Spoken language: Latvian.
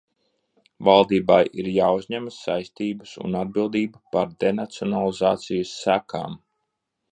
Valdībai ir jāuzņemas saistības un atbildība par denacionalizācijas sekām.